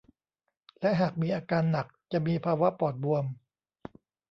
และหากมีอาการหนักจะมีภาวะปอดบวม